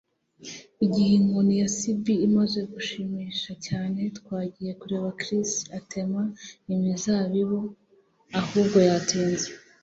Igihe inkoni ya SB imaze gushimisha cyane, twagiye kureba Chris atema imizabibu [ahubwo yatinze].